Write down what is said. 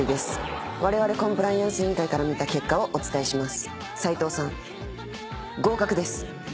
われわれコンプライアンス委員会から見た結果をお伝えします。